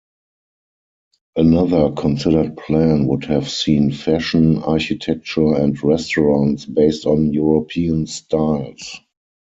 Another considered plan would have seen fashion, architecture, and restaurants based on European styles.